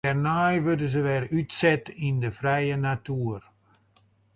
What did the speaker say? Dêrnei wurde se wer útset yn de frije natuer.